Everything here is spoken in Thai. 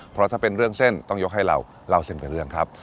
เพราะถ้าเป็นเรื่องเส้นต้องยกให้เราเล่าเส้นเป็นเรื่องครับ